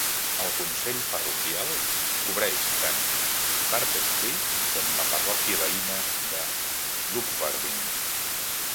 El consell parroquial cobreix tant Bartestree com la parròquia veïna de Lugwardine.